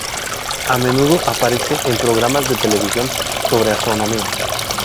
A menudo aparece en programas de televisión sobre astronomía.